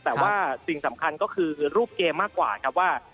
แต่ว่าสิ่งสำคัญก็คือรูปเกมมากกว่าครับว่า